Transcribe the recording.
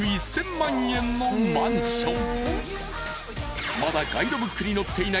［１億１，０００万円のマンション］